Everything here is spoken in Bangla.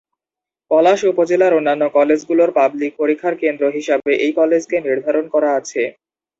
পলাশ উপজেলার অন্যান্য কলেজ গুলোর পাবলিক পরীক্ষার কেন্দ্র হিসাবে এই কলেজ কে নির্ধারণ করা আছে।